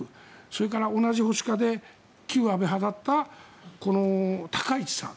それから同じ保守派で旧安倍派だった高市さん。